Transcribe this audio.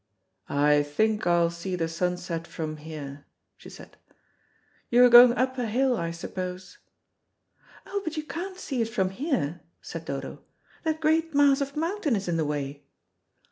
"I think I'll see the sunset from here," she said. "You're going up a hill, I suppose?" "Oh, but you can't see it from here," said Dodo. "That great mass of mountain is in the way."